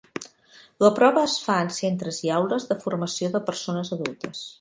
La prova es fa en centres i aules de formació de persones adultes.